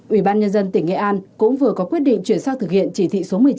ủy ban nhân dân tỉnh nghệ an cũng vừa có quyết định chuyển sang thực hiện chỉ thị số một mươi chín